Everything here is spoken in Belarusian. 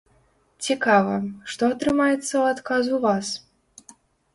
Цікава, што атрымаецца ў адказ у вас?